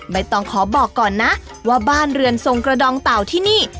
ต้องขอบอกก่อนนะว่าบ้านเรือนทรงกระดองเต่าที่นี่